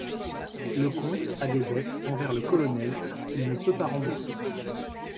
Le comte a des dettes envers le colonel qu'il ne peut pas rembourser.